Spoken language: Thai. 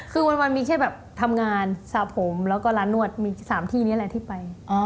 คือวันมีแค่แบบทำงานสระผมแล้วก็ร้านนวดมี๓ที่นี้แหละที่ไป